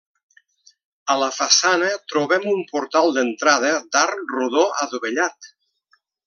A la façana trobem un portal d'entrada, d'arc rodó adovellat.